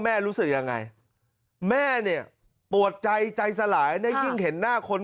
รู้สึกยังไงแม่เนี่ยปวดใจใจสลายและยิ่งเห็นหน้าคน